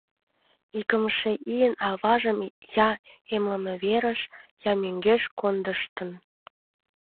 Икымше ийын аважым я эмлымверыш, я мӧҥгеш кондыштын.